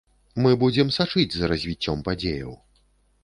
Мы будзем сачыць за развіццём падзеяў.